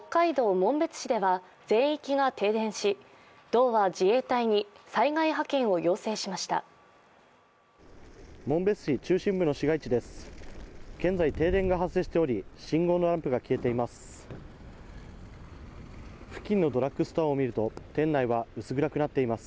紋別市中心部の市街地です。